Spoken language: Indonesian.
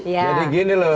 jadi gini loh